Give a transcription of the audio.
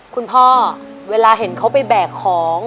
คุณพ่อเวลาเห็นเขาไปแบกของ